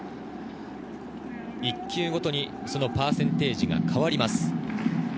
一球ごとにパーセンテージが変わります。